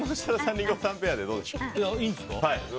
リンゴさんペアでどうでしょう？